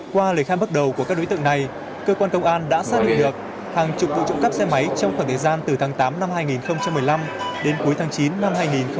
qua lời khai bắt đầu của các đối tượng này cơ quan công an đã xác định được hàng chục vụ trộm cắp xe máy trong khoảng thời gian từ tháng tám năm hai nghìn một mươi năm đến cuối tháng chín năm hai nghìn một mươi tám